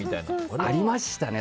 ありましたね。